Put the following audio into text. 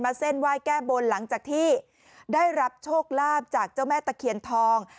เส้นไหว้แก้บนหลังจากที่ได้รับโชคลาภจากเจ้าแม่ตะเคียนทอง